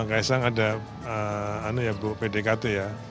mas kaisang ada pdkt ya